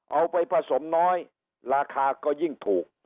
เอาไปผสมน้อยราคาก็ยิ่งถูก